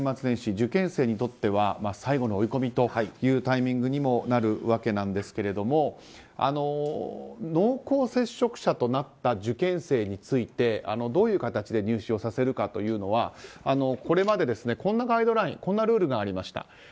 受験生にとっては最後の追い込みというタイミングにもなるわけですが濃厚接触者となった受験生についてどういう形で入試をさせるかというのはこれまで、こんなガイドラインこんなルールがありました。